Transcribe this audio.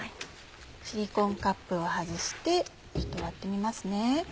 シリコンカップを外して割ってみますね。